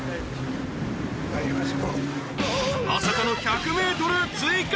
［まさかの１００ｍ追加。